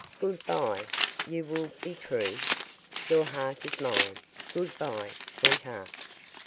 Good bye! you will be true? Your heart is mine, good bye, sweetheart!